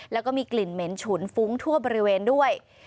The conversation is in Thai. แล้วก็มีกลิ่นเหม็นฉุนฟุ้งทั่วบริเวณด้วย